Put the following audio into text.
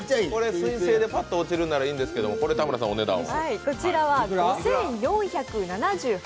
水性でパッと落ちるならいいんですけど、お値段は？